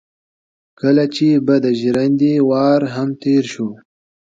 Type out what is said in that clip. کله چې به د ژرندې وار هم تېر شو.